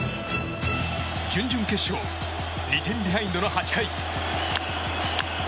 準々決勝２点ビハインドの８回。